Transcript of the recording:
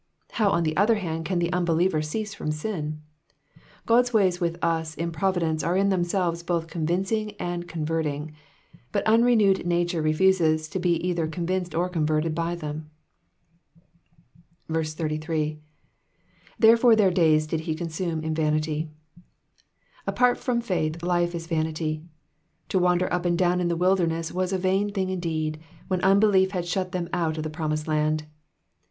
How, on the other hand, can the unbeliever cease from sin ? God's ways with us in providence are in themselves both con vincing and converting, but unrenewed nature refuses to be either convinced or converted by them. 83. "•*• Tlieref ore their days did hi eonmme in vanity,'*'* Apart from faith life is vanity. To wander up and down in the wilderness was a vain thing indeed, when unbelief had shut them out of the promised land.